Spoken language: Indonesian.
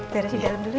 beres di dalam dulu ya